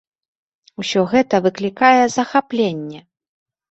Усё гэта выклікае захапленне!